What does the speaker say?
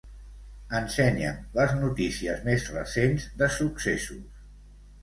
Ensenya'm les notícies més recents de successos.